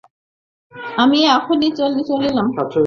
আমি এখনই চলিলাম।